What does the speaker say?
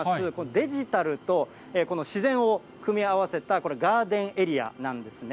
デジタルとこの自然を組み合わせた、これ、ガーデンエリアなんですね。